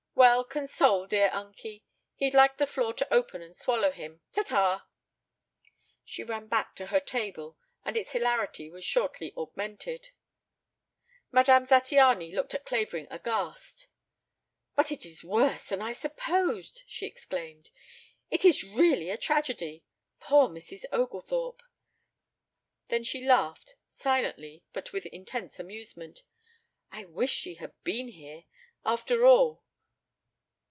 "Well, console dear unky. He'd like the floor to open and swallow him. Ta! Ta!" She ran back to her table, and its hilarity was shortly augmented. Madame Zattiany looked at Clavering aghast. "But it is worse than I supposed!" she exclaimed. "It is really a tragedy. Poor Mrs. Oglethorpe." Then she laughed, silently but with intense amusement. "I wish she had been here! After all!